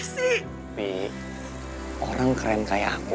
tapi orang keren kayak aku